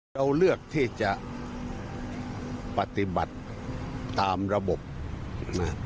เราเลือกที่จะปฏิบัติตามระบบนะ